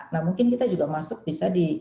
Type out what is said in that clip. nah mungkin kita juga masuk bisa di